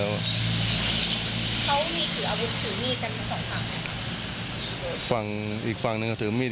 เขามีถืออาุธถือมีตซะ